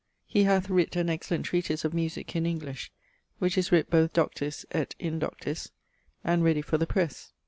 He hath writt an excellent treatise of musique, in English, which is writt both doctis et indoctis, and readie for the presse.